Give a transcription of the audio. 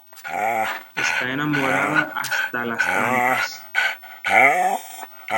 Está enamorada hasta las trancas